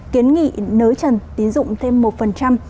kiến nghị nới trần tính dụng thêm một